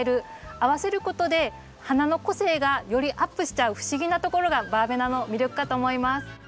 合わせることで花の個性がよりアップしちゃう不思議なところがバーベナの魅力かと思います。